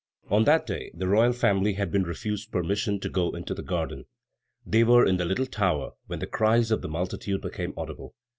On that day the royal family had been refused permission to go into the garden. They were in the little tower when the cries of the multitude became audible.